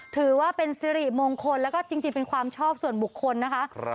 ถือว่าเป็นสิริมงคลแล้วก็จริงเป็นความชอบส่วนบุคคลนะคะ